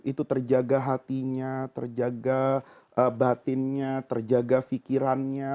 itu terjaga hatinya terjaga batinnya terjaga fikirannya